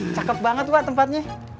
cakep banget pak tempatnya